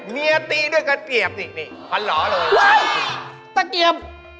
เมียเตี๋ยวกันเกลียบสิลิฮันหลอเลย